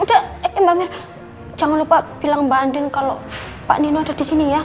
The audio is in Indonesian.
udah mbak mir jangan lupa bilang mbak andin kalau pak nino ada disini ya